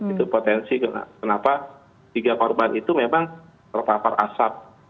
itu potensi kenapa tiga korban itu memang terpapar asap